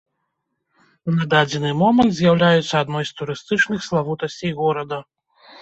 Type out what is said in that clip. На дадзены момант з'яўляюцца адной з турыстычных славутасцей горада.